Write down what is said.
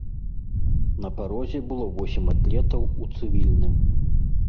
На парозе было восем атлетаў у цывільным.